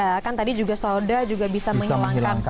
ya kan tadi juga soda juga bisa menghilangkan aroma aroma tidak sedap ya